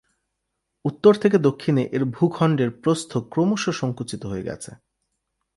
উত্তর থেকে দক্ষিণে এর ভূখণ্ডের প্রস্থ ক্রমশ সঙ্কুচিত হয়ে গেছে।